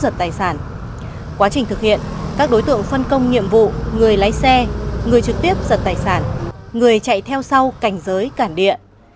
các đối tượng phân công nhiệm vụ người lấy xe người trực tiếp giật tài sản người chạy theo sau cảnh giới cản địa